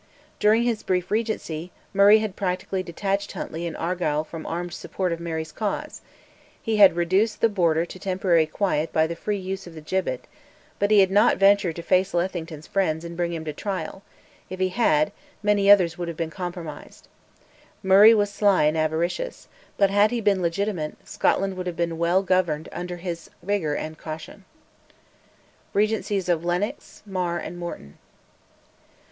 During his brief regency, Murray had practically detached Huntly and Argyll from armed support of Mary's cause; he had reduced the Border to temporary quiet by the free use of the gibbet; but he had not ventured to face Lethington's friends and bring him to trial: if he had, many others would have been compromised. Murray was sly and avaricious, but, had he been legitimate, Scotland would have been well governed under his vigour and caution. REGENCIES OF LENNOX, MAR, AND MORTON.